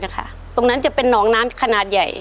ตรงนั้นจะเป็นหนองน้ำขนาดใหญ่